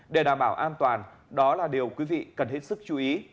để đảm bảo an toàn đó là điều quý vị cần hết sức chú ý